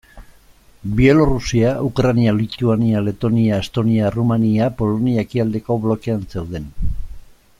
Bielorrusia, Ukraina, Lituania, Letonia, Estonia, Errumania, Polonia ekialdeko blokean zeuden.